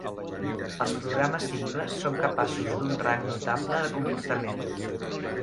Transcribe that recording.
Els programes simples són capaços d'un rang notable de comportament.